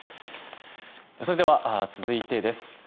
それでは続いてです。